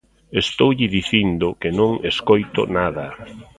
Estoulle dicindo que non escoito nada.